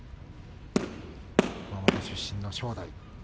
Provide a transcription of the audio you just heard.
熊本出身の正代。